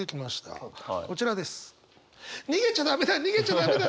こちらです。